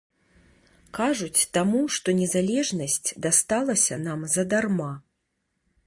Кажуць, таму, што незалежнасць дасталася нам задарма.